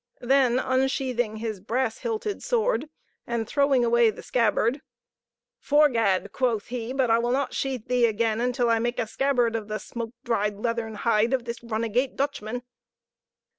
Then unsheathing his brass hilted sword, and throwing away the scabbard, "'Fore gad," quoth he, "but I will not sheathe thee again until I make a scabbard of the smoke dried leathern hide of this runagate Dutchman."